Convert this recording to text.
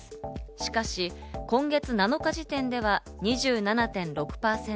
しかし、今月７日時点では２７．６％。